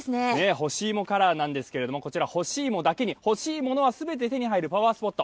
干し芋カラーなんですけどこちら干し芋だけにほしいものはすべて手に入るパワースポット。